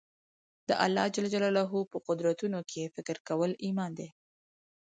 د الله جل جلاله په قدرتونو کښي فکر کول ایمان دئ.